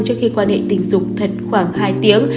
trước khi quan hệ tình dục thật khoảng hai tiếng